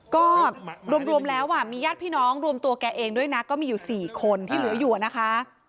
ก็รวมแล้วมีญาติพี่น้องรวมตัวแกเองด้วยนะก็มีอยู่๔คนที่เหลืออยู่นะคะ